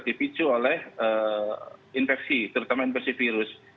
dipicu oleh infeksi terutama infeksi virus